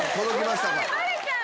バレちゃう。